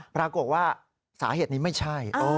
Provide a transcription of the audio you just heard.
ปรากฏว่าสาเหตุนี้ไม่ใช่